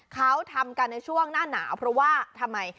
เขาทำกันในช่วงหน้าหนาวเพราะว่าทำไม